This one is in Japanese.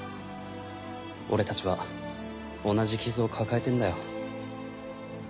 俺たちは同じ傷を抱えてんだよ。